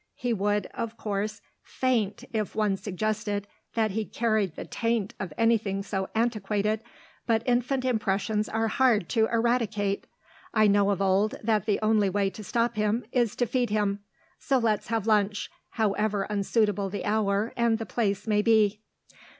He would, of course, faint if one suggested that he carried the taint of anything so antiquated, but infant impressions are hard to eradicate. I know of old that the only way to stop him is to feed him, so let's have lunch, however unsuitable the hour and the place may be."